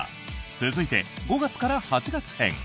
続いて、５月から８月編。